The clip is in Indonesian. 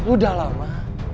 udah lah ma